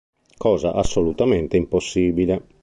Cosa assolutamente impossibile.